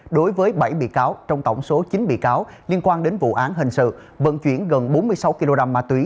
đối với bảy bị cáo trong tổng số chín bị cáo liên quan đến vụ án hình sự vận chuyển gần bốn mươi sáu kg ma túy